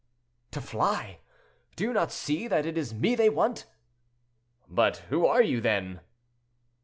"To fly! Do you not see that it is me they want?" "But who are you, then?"